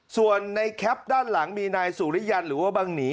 ส่วนในแคปด้านหลังมีนายสุริยันหรือว่าบังหนี